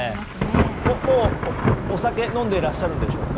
もうお酒飲んでいらっしゃるんでしょうか？